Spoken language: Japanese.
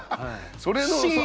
それのさ。